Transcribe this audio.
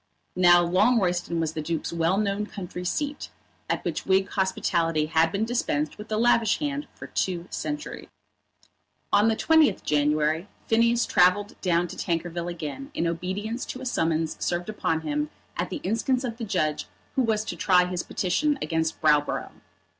Now Longroyston was the Duke's well known country seat, at which Whig hospitality had been dispensed with a lavish hand for two centuries. On the 20th January Phineas travelled down to Tankerville again in obedience to a summons served upon him at the instance of the judge who was to try his petition against Browborough.